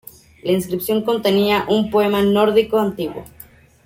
La inscripción contenía un poema en nórdico antiguo.